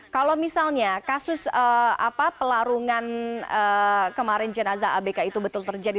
kalau misalnya kasus pelarungan kemarin jenazah abk itu betul terjadi